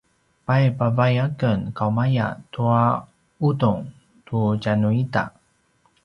pay pavai aken kaumaya tua ’udung tu tjanuita!